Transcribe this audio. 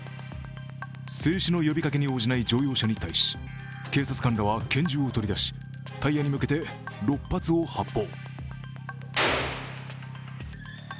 制止の呼びかけに応じない乗用車に対し警察官らは拳銃を取り出しタイヤに向けて６発を発砲。